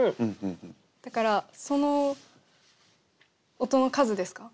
だからその音の数ですか？